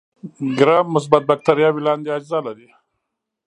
ګرام مثبت بکټریاوې لاندې اجزا لري.